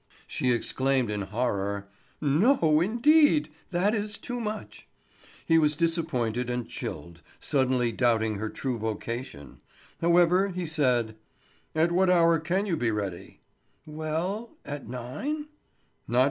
She exclaimed in horror: "No, indeed: that is too much." He was disappointed and chilled, suddenly doubting her true vocation. However, he said: "At what hour can you be ready?" "Well—at nine?"